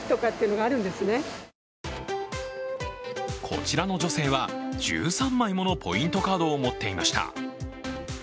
こちらの女性は１３枚ものポイントカードを持っていました。